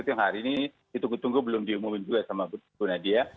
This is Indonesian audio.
yang hari ini itu kutunggu belum diumumkan juga sama bu nadia